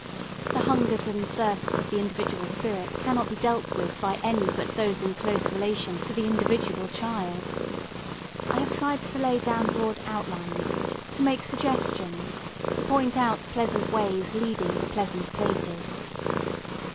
The hungers and thirsts of the individual spirit cannot be dealt with by any but those in close relation to the individual child. I have tried to lay down broad outlines to make suggestions, to point out pleasant ways leading to pleasant places.